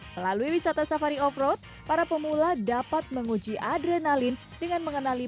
melalui wisata safari off road para pemula dapat menguji adrenalin dengan mengenali